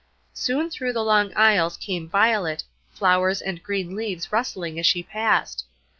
Soon through the long aisles came Violet, flowers and green leaves rustling as she passed.